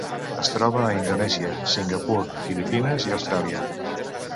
Es troba a Indonèsia, Singapur, Filipines i Austràlia.